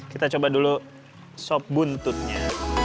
kita coba dulu sop buntutnya